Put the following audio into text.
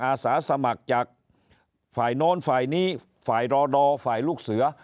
อาสาสมัครจากฝ่ายโน้นฝ่ายนี้ฝ่ายรอดอฝ่ายลูกเสือ